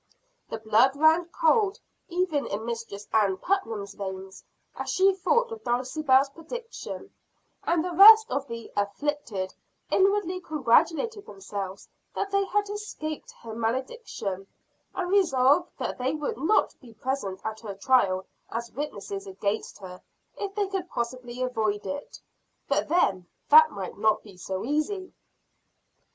The blood ran cold even in Mistress Ann Putnam's veins, as she thought of Dulcibel's prediction; and the rest of the "afflicted" inwardly congratulated themselves that they had escaped her malediction, and resolved that they would not be present at her trial as witnesses against her, if they could possibly avoid it. But then that might not be so easy.